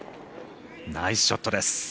ナイスショットです。